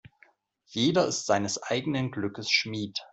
Jeder ist seines eigenen Glückes Schmied.